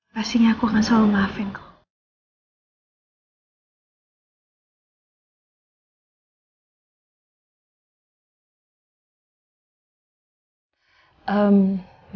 pastinya aku akan selalu maafin kok